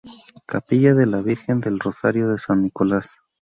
Capilla de la Virgen del Rosario de San Nicolás